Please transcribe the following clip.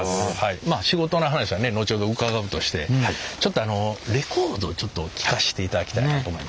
まあ仕事の話はね後ほど伺うとしてちょっとあのレコードちょっと聴かせていただきたいなと思いまして。